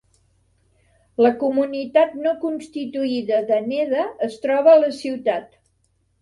La comunitat no constituïda de Neda es troba a la ciutat.